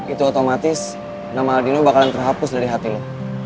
itu otomatis nama aldino bakalan terhapus dari hati lo